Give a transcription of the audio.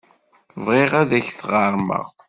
Bɣiɣ ad ak-t-ɣermeɣ.